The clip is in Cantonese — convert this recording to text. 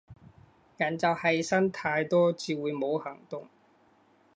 人就係呻太多至會冇行動